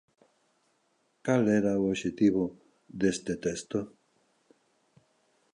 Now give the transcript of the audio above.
Cal era o obxectivo deste texto?